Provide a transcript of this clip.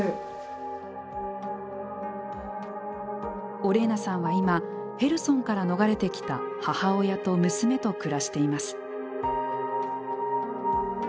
オレーナさんは今へルソンから逃れてきた母親と娘と暮らしています。